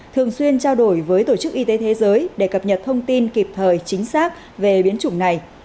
thường xuyên trao đổi với tổ chức y tế thế giới để cập nhật thông tin kịp thời chính xác về biến chủng này